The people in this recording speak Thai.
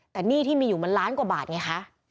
แต่หนี้ที่มีอยู่มันล้านกว่าบาทไงคะ